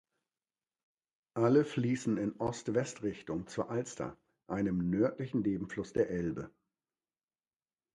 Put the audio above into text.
Alle fließen in Ost-West-Richtung zur Alster, einem nördlichen Nebenfluss der Elbe.